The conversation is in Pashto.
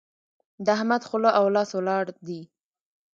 د احمد خوله او لاس ولاړ دي.